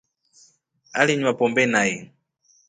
Aliinwa pombe nai.